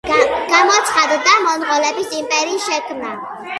გამოცხადდა დიდი მონღოლეთის იმპერიის შექმნა.